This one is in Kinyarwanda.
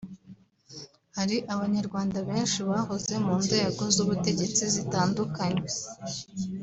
hari abanyarwanda benshi bahoze mu nzego z’ubutegetsi zitandukanye